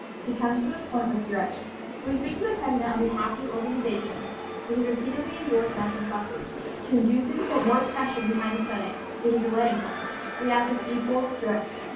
He comes to the point with direction. "Will you speak to the President on behalf of your organization, which has repeatedly endorsed national suffrage, to induce him to put more pressure behind the Senate which is delaying suffrage?" we asked with equal direction.